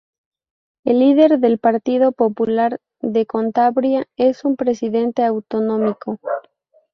El líder del Partido Popular de Cantabria es su Presidente Autonómico.